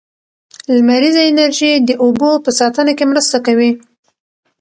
لمریزه انرژي د اوبو په ساتنه کې مرسته کوي.